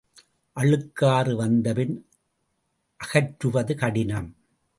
அழுக்காறு வந்தபின் அகற்றுவது கடினம்.